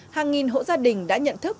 hàng nghìn hộ gia đình đã nhận thức